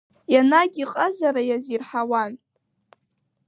Ианагь иҟазара иазирҳауан.